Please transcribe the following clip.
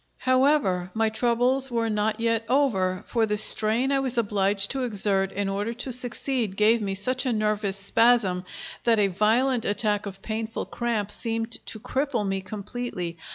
However, my troubles were not yet over, for the strain I was obliged to exert in order to succeed gave me such a nervous spasm that a violent attack of painful cramp seemed to cripple me completely.